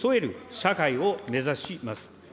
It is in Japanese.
社会を目指します。